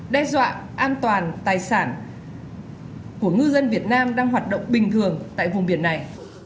đe dọa an toàn tài sản của ngư dân việt nam đang hoạt động bình thường tại vùng biển này